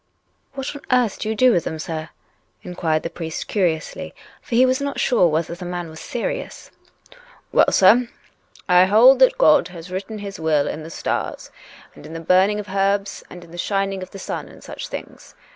" What do you do with them, sir ?" inquired the priest curiously, for he was not sure whether the man was serious, " Well, sir, I hold that God has written His will in the stars, and in the burning of herbs, and in the shining of the sun, and such things.